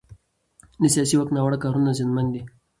د سیاسي واک ناوړه کارونه زیانمن دي